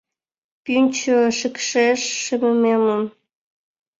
- Пӱнчӧ шикшеш шемемын.